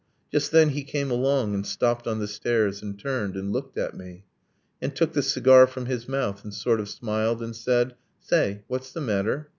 Just then he came along And stopped on the stairs and turned and looked at me, And took the cigar from his mouth and sort of smiled And said, 'Say, what's the matter?'